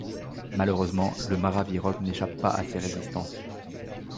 Malheureusement, le maraviroc n’échappe pas à ces résistances.